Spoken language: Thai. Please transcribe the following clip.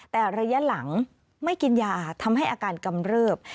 แต่ระยะหลังไม่กินยาทำให้อาการกำเริบ